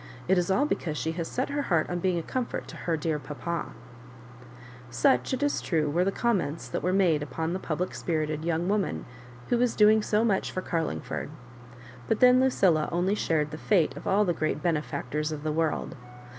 It is all because she has set her heart on being a comfort to her dear papal" Such, it is true, were the comments that were made upon the public spirited young woman who was doing so much for Carlingford; but then Lucilla only shared the fate of all the great benefactors of the world.